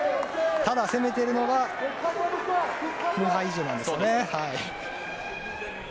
ただ、攻めているのがムハイジェなんですね。